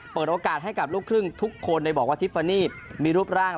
เปิดโอกาสให้กับลูกครึ่งทุกคนเลยบอกว่าทิฟฟานีมีรูปร่าง